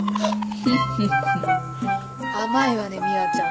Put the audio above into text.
フフフ甘いわね美和ちゃん。